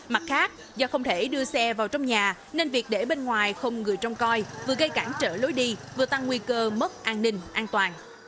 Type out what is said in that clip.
mặt khác do không thể đưa xe vào trong nhà nên việc để bên ngoài không người trông coi vừa gây cản trở lối đi vừa tăng nguy cơ mất an ninh an toàn